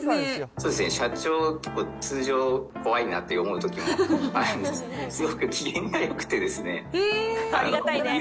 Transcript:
そうですね、社長、結構通常怖いなって思うときもあるんですけど、すごく機嫌がよくありがたいですね。